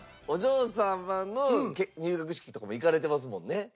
お嬢様の入学式とかも行かれてますもんね。